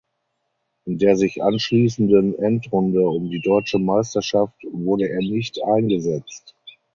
In der sich anschließenden Endrunde um die Deutsche Meisterschaft wurde er nicht eingesetzt.